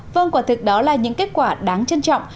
vâng quả thực đó là những kết quả đáng trân trọng